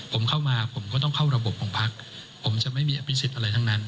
ผมเข้ามาผมก็ต้องเข้าระบบของพักผมจะไม่มีอภิษฎอะไรทั้งนั้น